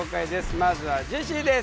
まずはジェシーです。